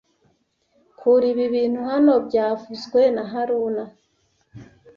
Kura ibi bintu hano byavuzwe na haruna